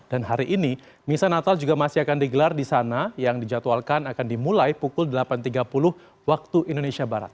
dan hari ini misa natal juga masih akan digelar di sana yang dijadwalkan akan dimulai pukul delapan tiga puluh waktu indonesia barat